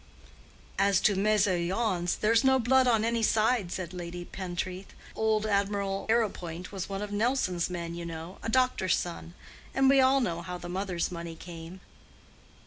"As to mésalliance, there's no blood on any side," said Lady Pentreath. "Old Admiral Arrowpoint was one of Nelson's men, you know—a doctor's son. And we all know how the mother's money came."